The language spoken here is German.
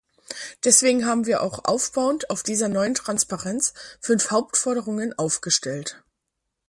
Deswegen haben wir auch aufbauend auf dieser neuen Transparenz fünf Hauptforderungen aufgestellt.